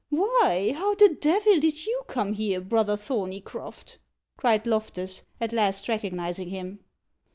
"Why, how the devil did you come here, brother Thorneycroft?" cried Loftus, at last recognising him.